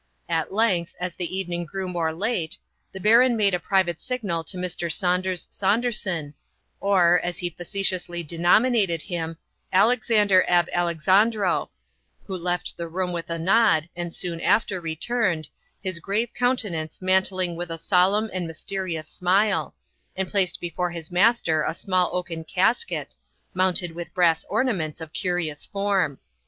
At length, as the evening grew more late, the Baron made a private signal to Mr. Saunders Saunderson, or, as he facetiously denominated him, Alexander ab Alexandro, who left the room with a nod, and soon after returned, his grave countenance mantling with a solemn and mysterious smile, and placed before his master a small oaken casket, mounted with brass ornaments of curious form.